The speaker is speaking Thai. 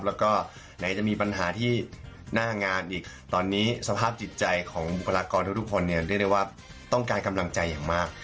แล้วก็ไหนจะมีปัญหาที่หน้างานอีกตอนนี้สภาพจิตใจของบุคลากรทุกคนเนี่ยเรียกได้ว่าต้องการกำลังใจอย่างมาก